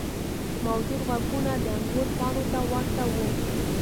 موجود غوږونه د انګور پاڼو ته ورته وو.